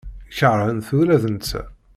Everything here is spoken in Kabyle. Keṛheɣ-t ula d netta.